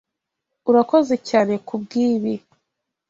Urakoze cyane kubwibi.